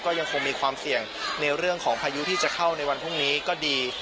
ก็ยังคงมีความเสี่ยงในเรื่องของพายุที่จะเข้าในวันพรุ่งนี้ก็ดี